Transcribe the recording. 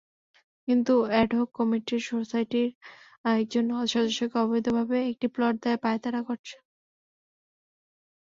কিন্তু ad hoc committee সোসাইটির একজন সদস্যকে অবৈধভাবে একটি প্লট দেওয়ার পাঁয়তারা করছে।